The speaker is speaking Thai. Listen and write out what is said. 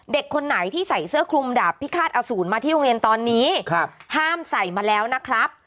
เด็กคนไหนที่ใส่เสื้อคลุมดาบพิฆาตอสูรมาที่โรงเรียนตอนนี้ห้ามใส่มาแล้วนะครับ